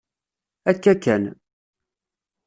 Akka kan.